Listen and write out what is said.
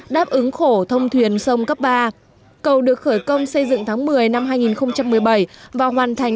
đáp ứng khổ thông thuyền sông cấp ba cầu được khởi công xây dựng tháng một mươi năm hai nghìn một mươi bảy và hoàn thành